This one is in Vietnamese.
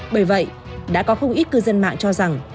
bởi vậy đã có không ít cư dân mạng cho rằng